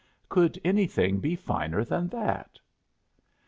Could anything be finer than that?